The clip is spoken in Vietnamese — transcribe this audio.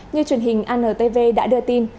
như truyền hình antv đã đưa tin